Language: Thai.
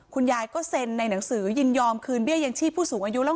พอเราก็มองแล้วว่านาสนองแสดแก้วเนี่ยคือศักยภาพว่าคงจะไม่ส่งไม่ได้หรอก